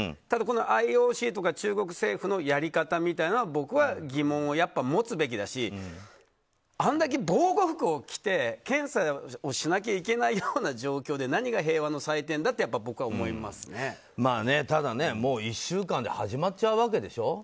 ただこのＩＯＣとか中国政府のやり方みたいなものは僕は疑問をやはり持つべきだしあんだけ防護服を着て検査をしなきゃいけないような状況で何が平和の祭典だってただ、もう１週間で始まっちゃうわけでしょ。